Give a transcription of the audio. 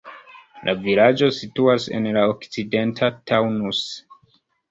La vilaĝo situas en la okcidenta Taunus.